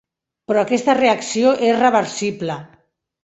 Però aquesta reacció és reversible.